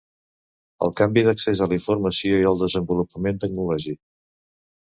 El canvi d'accés a la informació i el desenvolupament tecnològic.